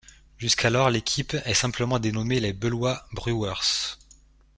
Jusqu'alors l'équipe est simplement dénommée les Beloit Brewers.